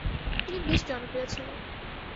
তিনি বেশ জনপ্রিয় ছিল।